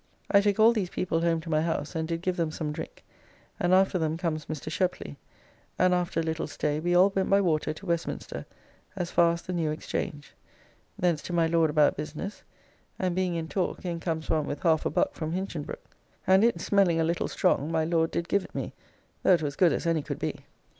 I took all these people home to my house and did give them some drink, and after them comes Mr. Sheply, and after a little stay we all went by water to Westminster as far as the New Exchange. Thence to my Lord about business, and being in talk in comes one with half a buck from Hinchinbroke, and it smelling a little strong my Lord did give it me (though it was as good as any could be).